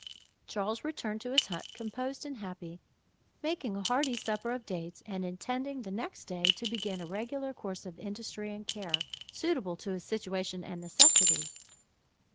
'" Charles returned to his hut, composed and happy, making a hearty supper of dates, and intending the next day to begin a regular course of industry and care, suitable to his situation and necessities.